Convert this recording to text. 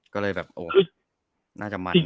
ก็เลยแบบโอ้น่าจะมัน